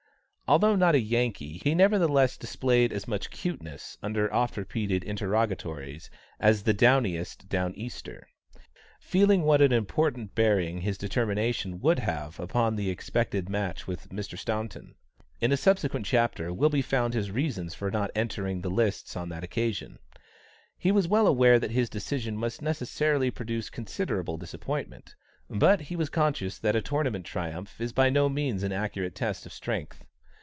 Although not a Yankee, he nevertheless displayed as much "cuteness" under oft repeated interrogatories as the downiest "down Easter;" feeling what an important bearing his determination would have upon the expected match with Mr. Staunton. In a subsequent chapter will be found his reasons for not entering the lists on that occasion. He was well aware that his decision must necessarily produce considerable disappointment, but he was conscious that a tournament triumph is by no means an accurate test of strength.